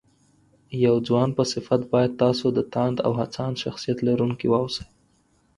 د يو ځوان په صفت بايد تاسو د تاند او هڅاند شخصيت لرونکي واوسئ